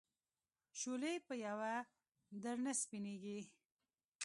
شولې په یوه در نه سپینېږي.